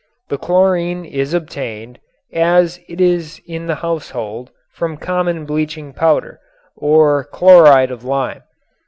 The chlorine is obtained, as it is in the household, from common bleaching powder, or "chloride of lime."